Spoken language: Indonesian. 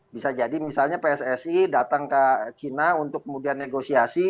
bisa jadi misalnya pssi datang ke china untuk kemudian negosiasi